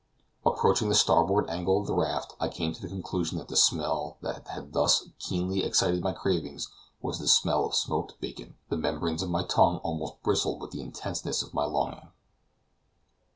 Approaching the starboard angle of the raft, I came to the conclusion that the smell that had thus keenly excited my cravings was the smell of smoked bacon; the membranes of my tongue almost bristled with the intenseness of my longing.